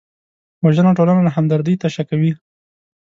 وژنه ټولنه له همدردۍ تشه کوي